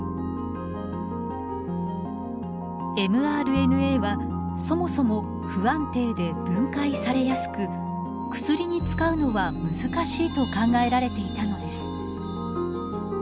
ｍＲＮＡはそもそも不安定で分解されやすく薬に使うのは難しいと考えられていたのです。